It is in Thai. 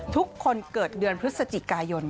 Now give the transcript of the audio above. ทุกคนเกิดเดือนพฤศจิกายน